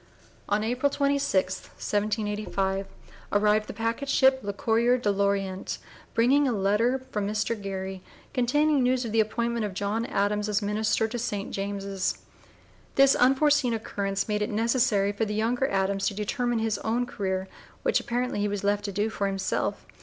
On April 26, 1785, arrived the packet ship Le Courier de L'Orient, (p. 014) bringing a letter from Mr. Gerry containing news of the appointment of John Adams as Minister to St. James's. This unforeseen occurrence made it necessary for the younger Adams to determine his own career, which apparently he was left to do for himself.